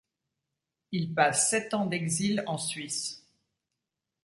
Il passe sept ans d'exil en Suisse.